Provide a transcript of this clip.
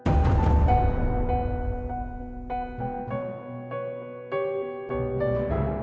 sampai jumpa lagi